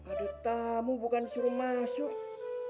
aduh tamu bukan suruh masuk